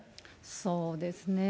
そうですね。